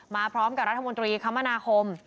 มาพร้อมกับรัฐมนตรีคมนาคม